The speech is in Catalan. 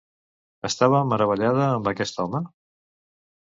Estava meravellada amb aquest home?